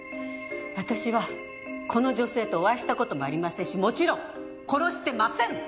私はこの女性とお会いした事もありませんしもちろん殺してません！